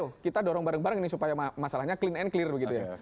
oh kita dorong bareng bareng ini supaya masalahnya clean and clear begitu ya